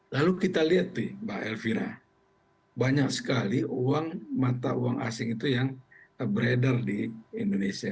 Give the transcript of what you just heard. lalu kita lihat nih mbak elvira banyak sekali uang mata uang asing itu yang beredar di indonesia